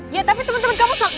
ya tapi temen temen kamu salah